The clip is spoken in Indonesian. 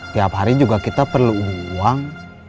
tiap hari juga kita perlu uang